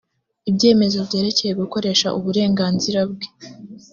ibyemezo byerekeye gukoresha uburenganzira bwe